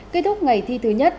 kết thúc ngày thi thứ nhất